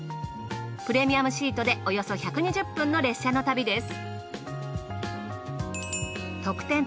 プレミアムシートでおよそ１２０分の列車の旅です